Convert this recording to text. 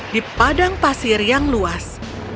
di padang pasir yang luas